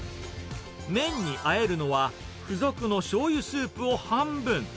麺にあえるのは、付属のしょうゆスープを半分。